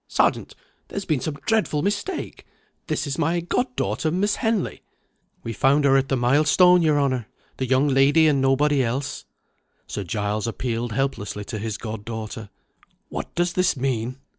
Sergeant, there has been some dreadful mistake. This is my god daughter Miss Henley." "We found her at the milestone, your honour. The young lady and nobody else." Sir Giles appealed helplessly to his god daughter. "What does this mean?"